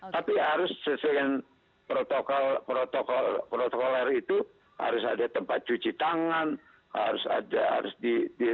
tapi harus sesuai dengan protokol protokoler itu harus ada tempat cuci tangan harus ada harus di